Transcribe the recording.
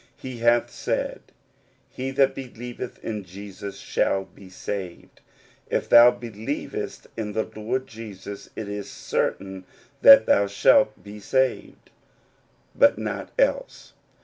He hath said, "He that believeth in Jesus shall be saved." If thou believest in the Lord Jesus Christ, it is cer tain that thou shalt be saved ; but not else.